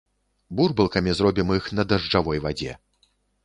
Бурбалкамі зробім іх на дажджавой вадзе.